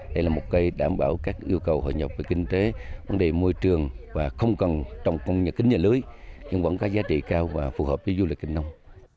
đây là một cây đảm bảo các yêu cầu hội nhập về kinh tế vấn đề môi trường và không cần trong nhà kính nhà lưới nhưng vẫn có giá trị cao và phù hợp với du lịch kinh nông